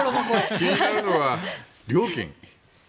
気になるのは料金。